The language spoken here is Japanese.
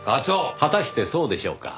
果たしてそうでしょうか？